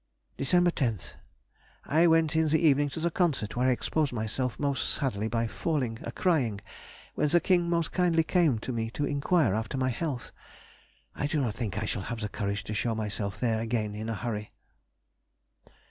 Dec. 10th.—I went in the evening to the concert, where I exposed myself most sadly by falling a crying when the King most kindly came to me to inquire after my health. I do not think I shall have the courage to show myself there again in a hurry.